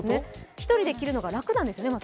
１人で着るのが楽なんですね。